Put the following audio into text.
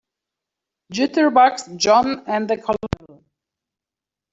Jitterbugs JOHN and the COLONEL.